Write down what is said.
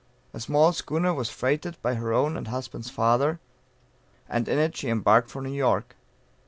A small schooner was freighted by her own and husband's father, and in it she embarked for New York.